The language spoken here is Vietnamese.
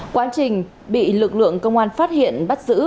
quá trình bị lực lượng công an phát hiện bắt giữ